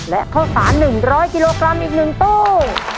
และข้อสาร๑๐๐กิโลกรัม๑ตู้